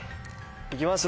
いきます